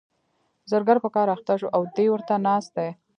زرګر په کار اخته شو او دی ورته ناست دی.